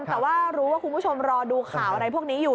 แต่ว่ารู้ว่าคุณผู้ชมรอดูข่าวอะไรพวกนี้อยู่